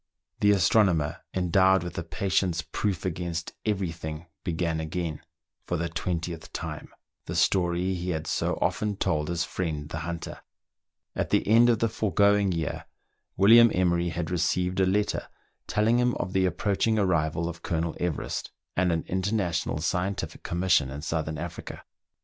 The young astronomer, endowed with a patience proof against every thing, began again, for the twentieth time, the story he had so often told to his friend the hunter At THREE ENGLISHMEN AND THREE RUSSIANS. ^ the end of the foregoing year, William Emery had receive«j a letter telling him of the approaching arrival of Colonel Everest, and an international scientific commission in South ern Africa.